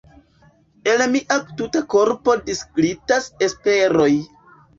El mia tuta korpo disglitas Esperoj.